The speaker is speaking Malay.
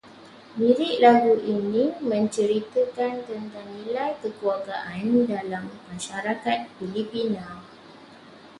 Lirik lagu ini menceritakan tentang nilai kekeluargaan dalam masyarakat Filipina